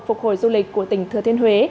phục hồi du lịch của tỉnh thừa thiên huế